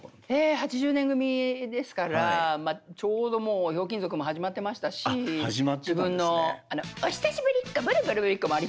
８０年組ですからちょうどもう「ひょうきん族」も始まってましたし自分のあの「お久しぶりっ子ぶるぶるぶりっ子」もありましたし。